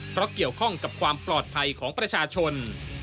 เพราะเกี่ยวข้องกับความปลอดภัยของประชาชน